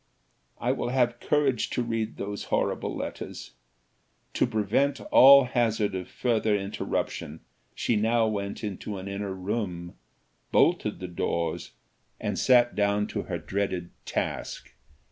I will, have courage to read these horrible letters." To prevent all hazard of further interruption, she now went into an inner room, bolted the doors, and sat down to her dreaded task.